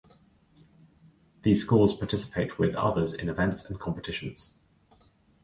These schools participate with others in events and competitions.